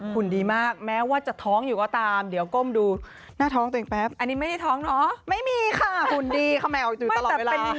หุ่นดีมากแม้ว่าจะท้องอยู่ก็ตามเดี๋ยวก้มดูหน้าท้องตัวเองแป๊บ